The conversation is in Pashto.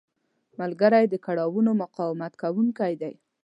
ملګری د کړاوونو مقاومت کوونکی دی